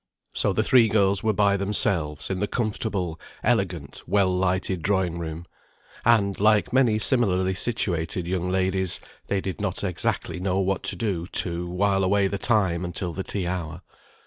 So the three girls were by themselves in the comfortable, elegant, well lighted drawing room; and, like many similarly situated young ladies, they did not exactly know what to do to while away the time until the tea hour.